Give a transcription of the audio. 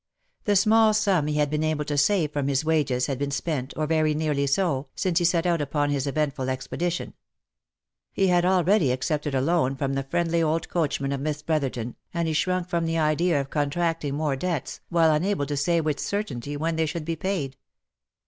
The small sum he had been able to save from his wages had been spent, or very nearly so, since he set out upon his eventful expedition. He had already accepted a loan from the friendly old coachman of Miss Brotherton, and he shrunk from the idea of contracting more debts, while unable to say with certainty when they should be paid.